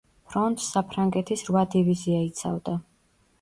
ფრონტს საფრანგეთის რვა დივიზია იცავდა.